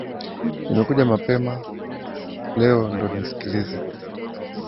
Nimekuja mepama leo ndo nisikilize